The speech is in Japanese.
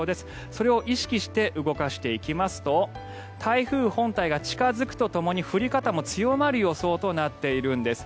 それを意識して動かしていきますと台風本体が近付くとともに降り方も強まる予想となっているんです。